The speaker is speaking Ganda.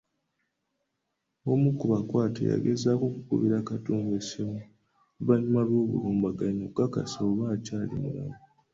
Omu ku bakwate yagezaako okukubira Katumba essimu oluvannyuma lw’obulumbaganyi okukakasa oba akyali mulamu.